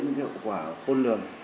những cái hậu quả khôn lường